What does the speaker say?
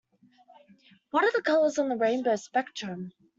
What are the colours of the rainbow spectrum?